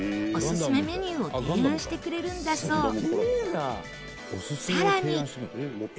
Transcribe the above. おすすめメニューを提案してくれるんだそう。